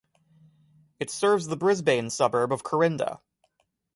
It serves the Brisbane suburb of Corinda.